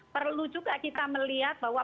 perlu juga kita melihat bahwa